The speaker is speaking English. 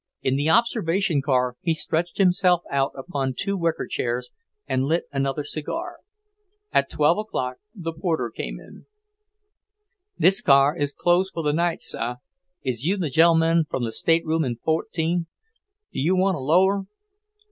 In the observation car he stretched himself out upon two wicker chairs and lit another cigar. At twelve o'clock the porter came in. "This car is closed for the night, sah. Is you the gen'leman from the stateroom in fourteen? Do you want a lower?"